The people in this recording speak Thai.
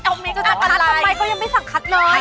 อ้าวคัททำไมก็ยังไม่สั่งคัทเลย